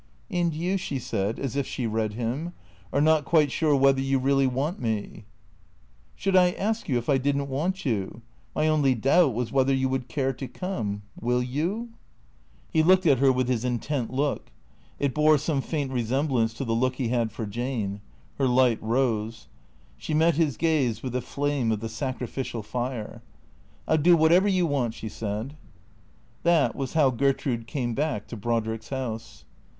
" And you," she said, as if she read him, " are not quite sure whether you really want me ?"" Should I ask you if I did n't want you ? My only doubt was whether you would care to come. Will you ?" He looked at her with his intent look. It bore some faint resemblance to the look he had for Jane. Her light rose. She met his gaze with a flame of the sacrificial fire. " I '11 do whatever you want," she said. That was how Gertrude came back to Brodrick's house.